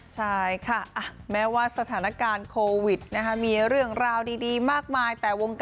ใช่ค่ะแม้ว่าสถานการณ์โควิดมีเรื่องราวดีมากมายแต่วงการ